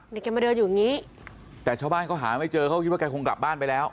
แกมาเดินอยู่อย่างงี้แต่ชาวบ้านเขาหาไม่เจอเขาคิดว่าแกคงกลับบ้านไปแล้ว